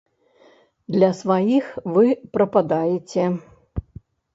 Для сваіх вы прападаеце.